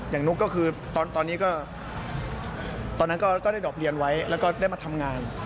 อย่างนุ๊กก็คือตอนนั้นก็ได้ดอบเรียนไว้แล้วก็ได้มาทำงาน